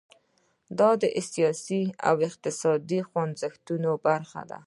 دا د سیاسي او اقتصادي خوځښتونو برخه ده.